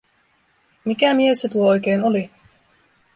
Mikä mies se tuo oikein oli?